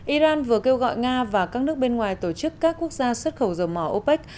iran vừa kêu gọi nga và các nước bên ngoài tổ chức các quốc gia xuất khẩu dầu mỏ opec